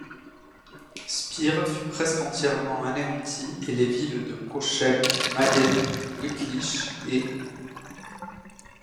Spire fut presque entièrement anéantie, et les villes de Cochem, Mayen, Wittlich et.